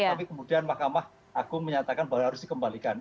tapi kemudian mahkamah agung menyatakan bahwa harus dikembalikan